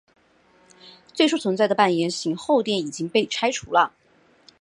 最初存在的半圆形后殿已经被拆除了。